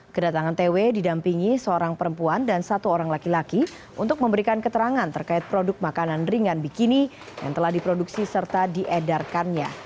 kedatangan tw didampingi seorang perempuan dan satu orang laki laki untuk memberikan keterangan terkait produk makanan ringan bikini yang telah diproduksi serta diedarkannya